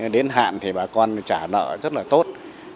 đến hạn thì bà con trả nợ rất là tốt